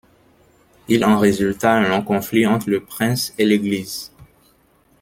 Il en résulta un long conflit entre le prince et l’Église.